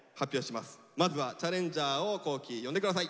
まずはチャレンジャーを皇輝呼んで下さい。